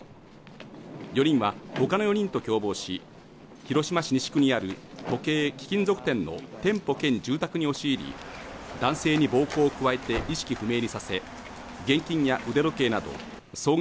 ４人は他の４人と共謀し広島市西区にある時計・貴金属店の店舗兼住宅に押し入り、男性に暴行を加えて意識不明にさせ、現金や腕時計など総額